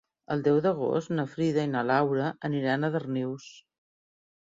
El deu d'agost na Frida i na Laura aniran a Darnius.